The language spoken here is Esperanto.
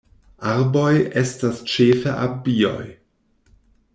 Arboj estas ĉefe abioj.